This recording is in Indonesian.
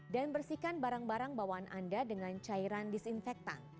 dan bersihkan barang barang bawaan anda dengan cairan disinfektan